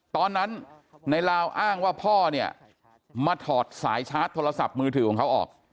ตอนนั้นในลาวอ้างว่าพ่อเนี่ยมาถอดสายชาร์จโทรศัพท์มือถือของเขาออก